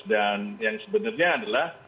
dan yang sebenarnya adalah